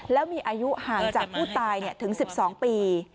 แล้วมีอายุห่างจากผู้ตายถึง๑๒ปี